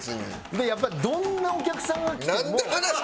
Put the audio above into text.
やっぱりどんなお客さんが来ても。